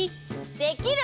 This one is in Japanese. できる？